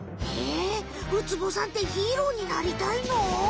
へえウツボさんってヒーローになりたいの？